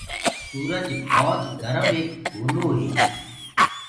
سُرج ڀوت گرم ايڪ لوڪو هي۔